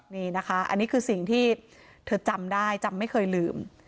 นี่นะคะอันนี้คือสิ่งที่เธอจำได้จำไม่เคยลืม